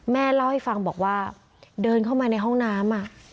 แม่เล่าให้ฟังบอกว่าเดินเข้ามาในห้องน้ำ